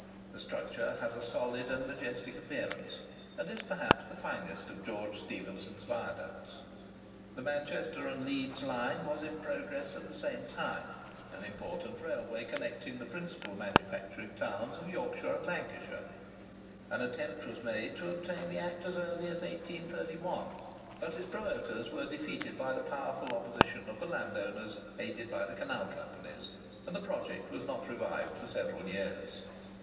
The structure has a solid and majestic appearance, and is perhaps the finest of George Stephenson's viaducts. [Picture: The Dutton Viaduct] The Manchester and Leeds line was in progress at the same time—an important railway connecting the principal manufacturing towns of Yorkshire and Lancashire. An attempt was made to obtain the Act as early as 1831; but its promoters were defeated by the powerful opposition of the landowners aided by the canal companies, and the project was not revived for several years.